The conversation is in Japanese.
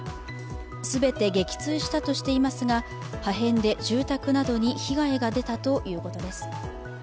全て撃墜したとしていますが破片で住宅などに被害が出たということです。